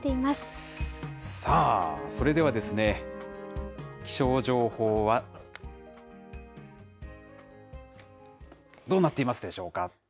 さあ、それではですね、気象情報は、どうなっていますでしょうか。